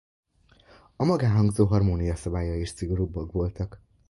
A magánhangzó-harmónia szabályai is szigorúbbak voltak.